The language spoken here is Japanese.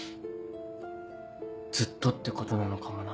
「ずっと」ってことなのかもな。